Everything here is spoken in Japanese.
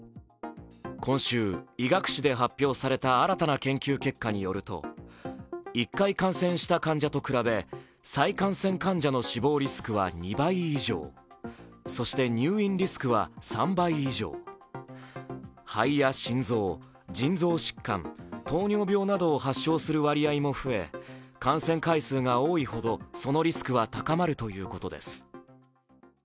今週、医学誌で発表された新たな研究結果によると、１回感染した患者と比べ再感染患者の死亡リスクは２倍以上、そして入院リスクは３倍以上、肺や心臓、腎臓疾患、糖尿病などを発症する割合も増え感染回数が多いほどそのリスクは高まるということです。